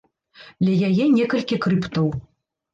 Ля яе некалькі крыптаў.